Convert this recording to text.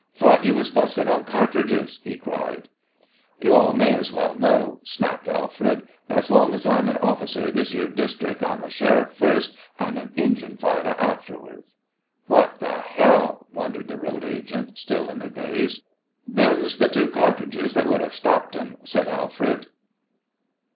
"Thought you was busted on catridges!" he cried. "You all may as well know," snapped Alfred, "that's long as I'm an officer of this yere district, I'm a sheriff first and an Injin fighter afterward." "What the hell!" wondered the road agent, still in a daze. "Them's th' two catridges that would have stopped 'em," said Alfred.